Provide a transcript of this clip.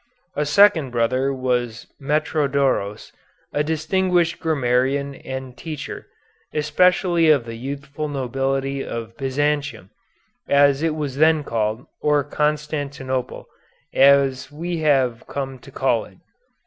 A second brother was Metrodoros, a distinguished grammarian and teacher, especially of the youthful nobility of Byzantium, as it was then called, or Constantinople, as we have come to call it.